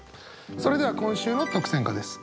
それでは今週の特選歌です。